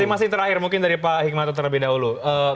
masih terakhir mungkin dari pak hikmato terlebih dahulu